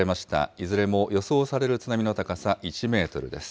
いずれも予想される津波の高さ１メートルです。